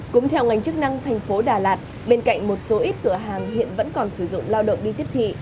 cũng theo ngành chức năng thành phố đà lạt bên cạnh một số ít cửa hàng hiện vẫn còn sử dụng lao động đi tiếp thị